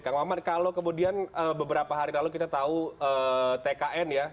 kang maman kalau kemudian beberapa hari lalu kita tahu tkn ya